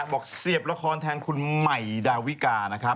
เสียบละครแทนคุณใหม่ดาวิกานะครับ